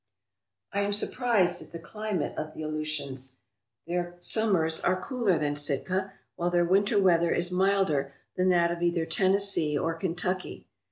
I am surprised at the climate of the Aleutians. Their summers are cooler than Sitka, while their winter weather is milder than that of either Tennessee or Kentucky.